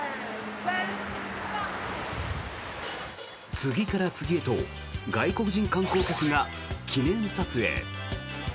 次から次へと外国人観光客が記念撮影。